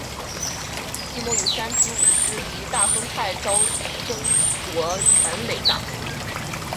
季末与山崎武司及大丰泰昭争夺全垒打王。